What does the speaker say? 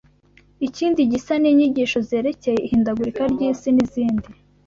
Ikindi gisa n’inyigisho zerekeye ihindagurika ry’isi ni izindi